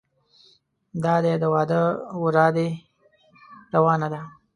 دادی د واده ورا دې روانه ده.